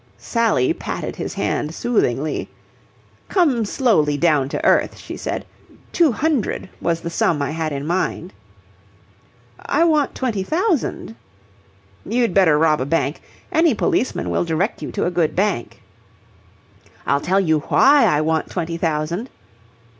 Sally patted his hand soothingly. "Come slowly down to earth," she said. "Two hundred was the sum I had in mind." "I want twenty thousand." "You'd better rob a bank. Any policeman will direct you to a good bank." "I'll tell you why I want twenty thousand."